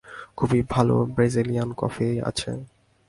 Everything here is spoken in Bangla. খুব ভালো ব্রেজিলিয়ান কফি আছে।